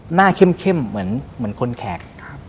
หน้าเข้มเหมือนคนแขก